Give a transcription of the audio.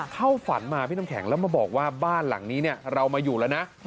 เข้าฝันมาพี่น้ำแข็งแล้วมาบอกว่าบ้านหลังนี้เรามาอยู่แล้วนะ